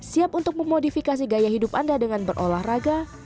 siap untuk memodifikasi gaya hidup anda dengan berolahraga